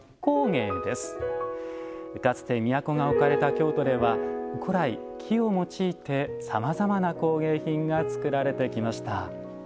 かつて都が置かれた京都では古来木を用いてさまざまな工芸品が作られてきました。